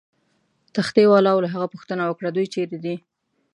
تختې والاو له هغه پوښتنه وکړه: دوی چیرې دي؟